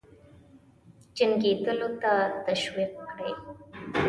جنګېدلو ته تشویق کړي.